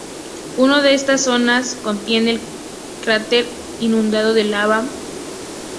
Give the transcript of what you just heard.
Uno de estas zonas contiene el cráter inundado de lava "Oppenheimer U".